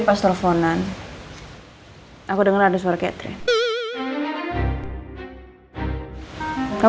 suami pulang bukan aja flight tangan malah di stykinnya